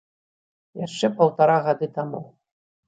Яшчэ паўтара гады таму.